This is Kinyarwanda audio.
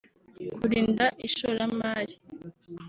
kurinda ishoramari